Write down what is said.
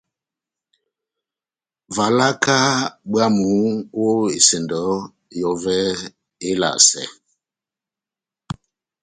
Valaka bwámu ó esɛndɔ yɔvɛ elasɛ.